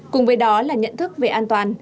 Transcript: cùng với đó là nhận thức về an toàn